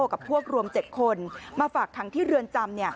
กับพวกรวม๗คนมาฝากขังที่เรือนจำ